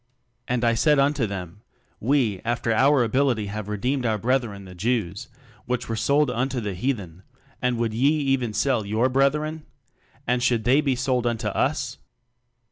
"And I said unto them, We after our ability have redeemed our breth ren the Jews, which were sold unto the heathen; and would ye even sell your brethren? and should they be sold unto us?